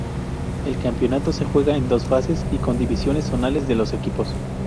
El campeonato se juega en dos fases y con divisiones zonales de los equipos.